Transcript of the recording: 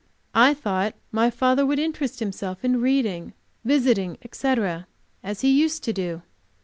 I thought my father would interest himself in reading, visiting, etc, as he used to do.